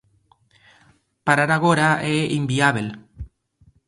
Parar agora é inviábel.